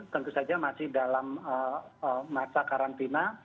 tentu saja masih dalam masa karantina